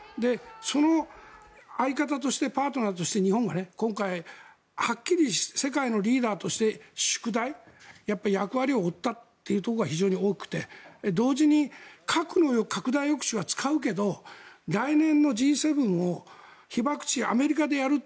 その相方としてパートナーとして日本が今回、はっきり世界のリーダーとして宿題、役割を負ったというところが非常に大きくて同時に核の拡大抑止は使うけど来年のＧ７を被爆地・